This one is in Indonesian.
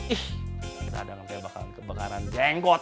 ih kita ada ngebel bakal kebakaran jenggot